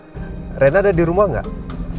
ini rena lagi di rumah sama saya